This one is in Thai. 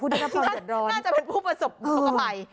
น่าจะเป็นผู้ประสบอุทธกภัย